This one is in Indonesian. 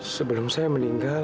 sebelum saya meninggal